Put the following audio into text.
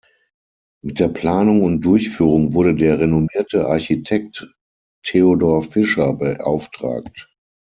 Mit der Planung und Durchführung wurde der renommierte Architekt Theodor Fischer beauftragt.